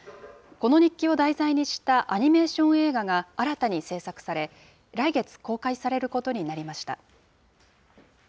この日記を題材にしたアニメーション映画が新たに製作され、来月、公開されることになりました。